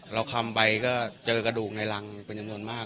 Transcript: คำไปก็เจอกระดูกในรังเป็นจำนวนมาก